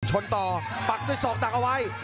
ชนต่อปักด้วยศอกดักเอาไว้